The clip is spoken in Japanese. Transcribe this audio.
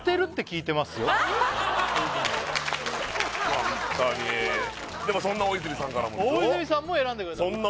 ホントにでもそんな大泉さんからも大泉さんも選んでくれたの？